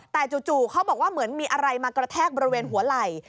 แต่จู่เขาบอกว่าเหมือนมีอะไรมากระแทกบริเวณหัวไหล่